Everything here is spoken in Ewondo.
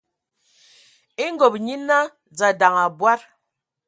E ngob nyina dza ndaŋ abɔad.